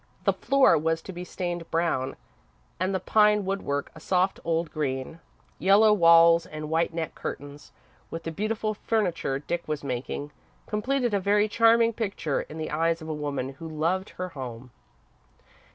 The floor was to be stained brown and the pine woodwork a soft, old green. Yellow walls and white net curtains, with the beautiful furniture Dick was making, completed a very charming picture in the eyes of a woman who loved her home.